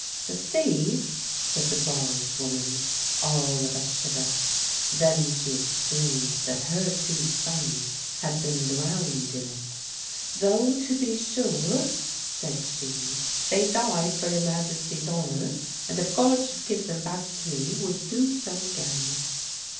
"The sea?" said the barge woman, all of a shiver. Then she explained that her two sons had been drowned in it. "Though, to be sure," said she, "they died for your Majesty's honour, and, if God should give them back to me, would do so again."